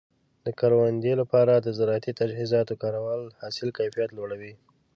د کروندې لپاره د زراعتي تجهیزاتو کارول د حاصل کیفیت لوړوي.